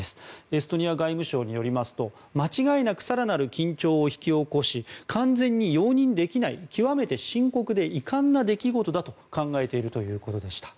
エストニア外務省によりますと間違いなく更なる緊張を引き起こし完全に容認できない極めて深刻で遺憾な出来事だと考えているということでした。